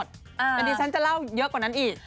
ดังนี้ฉันจะเล่าเยอะกว่านั้นอีก